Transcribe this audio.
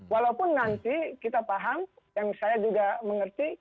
walaupun nanti kita paham yang saya juga mengerti